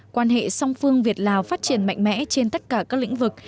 quan hệ song phương việt lào phát triển mạnh mẽ trên tất cả các lĩnh vực